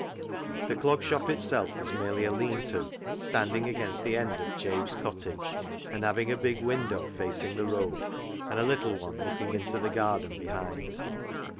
The Clog Shop itself was merely a lean to standing against the end of Jabe's cottage, and having a big window facing the road, and a little one looking into the garden behind.